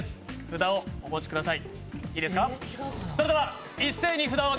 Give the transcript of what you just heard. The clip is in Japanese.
札をお持ちください。